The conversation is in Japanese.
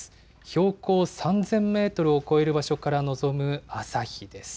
標高３０００メートルを超える場所から望む朝日です。